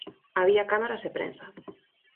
"Había cámaras e prensa".